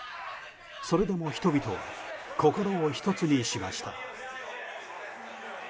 それでも人々は心を一つにしました。